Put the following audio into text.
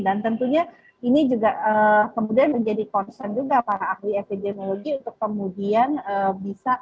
dan tentunya ini juga kemudian menjadi concern juga para ahli epidemiologi untuk kemudian bisa